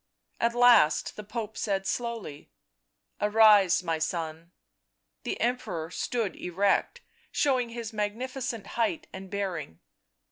At last the Pope said slowly :" Arise, my son." The Emperor stood erect, showing his magnificent height and bearing.